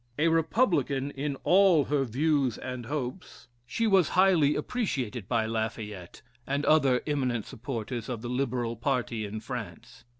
A republican in all her views and hopes, she was highly appreciated by Lafayette and other eminent supporters of the liberal party in France.